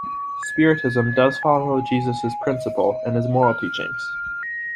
Spiritism does follow Jesus's principal and his moral teachings.